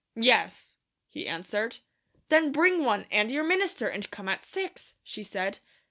"Yes," he answered. "Then bring one, and your minister, and come at six," she said.